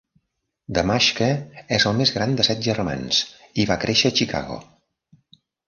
Damaschke és el més gran de set germans i va créixer a Chicago.